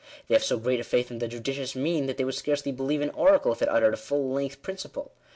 They have so great a faith in "the judicious mean" that they would scarcely believe an oracle, if it uttered a fall length principle.